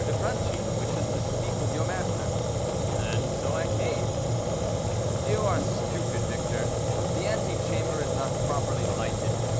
de Franchi, who wishes to speak with your master,' and so I came." "You are stupid, Victor, the ante chamber is not properly lighted.